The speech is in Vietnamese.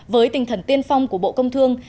với tinh thần tiên phong của bộ công thương